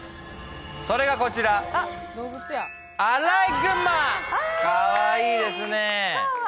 それがこちらかわいいですねえ